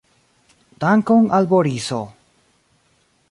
Dankon al Boriso!